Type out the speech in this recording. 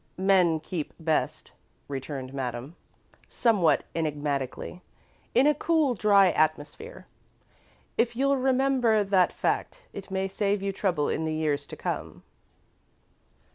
"Men keep best," returned Madame, somewhat enigmatically, "in a cool, dry atmosphere. If you'll remember that fact, it may save you trouble in the years to come."